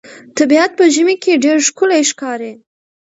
طبیعت په ژمي کې ډېر ښکلی ښکاري.